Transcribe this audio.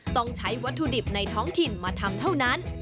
ต้องใช้วัตถุดิบในท้องถิ่นมาทำเท่านั้น